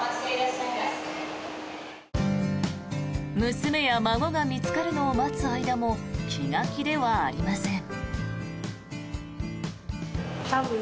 娘や孫が見つかるのを待つ間も気が気ではありません。